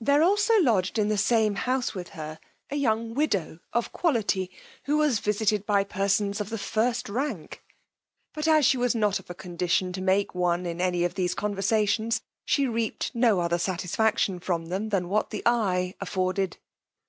There also lodged in the same house with her a young widow of quality, who was visited by persons of the first rank; but as she was not of a condition to make one in any of these conversations, she reaped no other satisfaction from them than what the eye afforded.